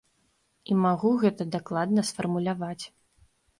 І магу гэта дакладна сфармуляваць.